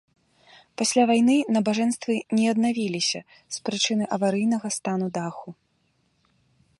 Пасля вайны набажэнствы не аднавіліся з прычыны аварыйнага стану даху.